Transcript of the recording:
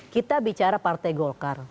kita bicara partai golkar